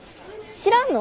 知らんの？